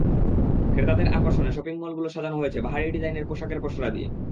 ক্রেতাদের আকর্ষণে শপিং মলগুলো সাজানো হয়েছে বাহারি ডিজাইনের পোশাকের পসরা দিয়ে।